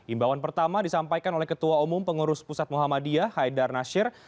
imbauan pertama disampaikan oleh ketua umum pengurus pusat muhammadiyah haidar nasir